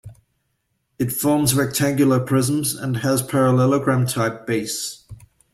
It forms rectangular prisms and has parallelogram type base.